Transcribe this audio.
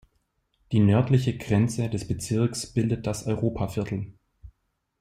Die nördliche Grenze des Bezirks bildet das Europaviertel.